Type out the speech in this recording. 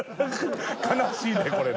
悲しいねこれね。